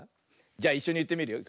じゃいっしょにいってみるよ。